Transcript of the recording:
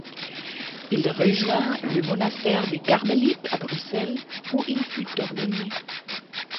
Il rejoint le monastère des Carmélites, à Bruxelles, où il fut ordonné.